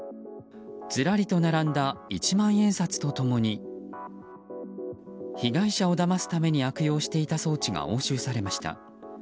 ずらりと並んだ一万円札と共に被害者をだますために悪用していた装置が押収されました。